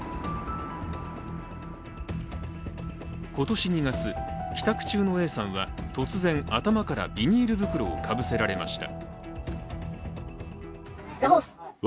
今年２月、帰宅中のＡさんは突然頭からビニール袋をかぶせられました。